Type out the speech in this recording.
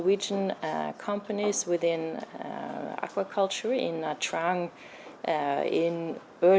vì vậy chúng tôi đã có một cuộc khóa sản phẩm rất tốt với những công ty chống dịch nguyên tế trong văn hóa sản phẩm trong trang lúc trước vào năm tháng này